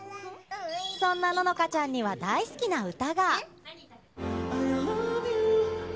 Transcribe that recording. そんな乃々佳ちゃんには大好きな歌が。